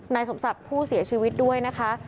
นายสมศักดิ์ผู้เสียชีวิตด้วยนะคะ